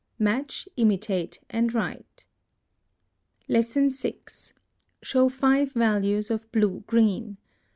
Match, imitate, and write. 6. Show FIVE VALUES of BLUE GREEN.